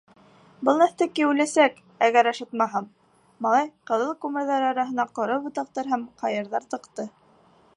— Был нәҫтәкәй үләсәк, әгәр ашатмаһам, — малай ҡыҙыл күмерҙәр араһына ҡоро ботаҡтар һәм ҡайырҙар тыҡты.